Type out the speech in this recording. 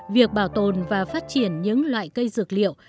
việc bảo tồn và phát triển những loại cây dược liệu